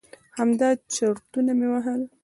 همدا چرتونه مې وهل.